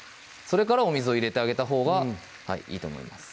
それからお水を入れてあげたほうがいいと思います